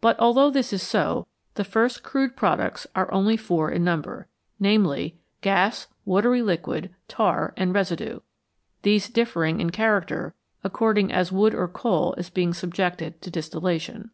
But although this is so, the first crude products are only four in number, namely, gas, watery liquid, tar, and residue, these differing in character according as wood or coal is being subjected to distillation.